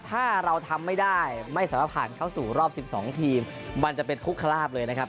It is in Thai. ถ้าเราทำไม่ได้ไม่สามารถผ่านเข้าสู่รอบ๑๒ทีมมันจะเป็นทุกคราบเลยนะครับ